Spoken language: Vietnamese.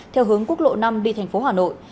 theo hướng quốc lộ năm đi thành phố hà nội